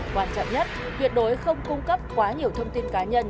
quan trọng nhất tuyệt đối không cung cấp quá nhiều thông tin cá nhân